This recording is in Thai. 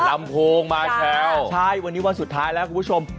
ลำโพงมาแคล้วใช่วันนี้วันสุดท้ายแล้วคุณผู้ชม